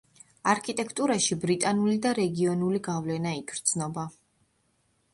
არქიტექტურაში ბრიტანული და რეგიონული გავლენა იგრძნობა.